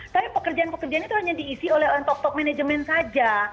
tapi pekerjaan pekerjaan itu hanya diisi oleh top top management saja